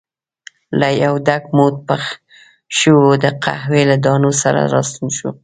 له یو ډک موټ پخ شوو د قهوې له دانو سره راستون شو.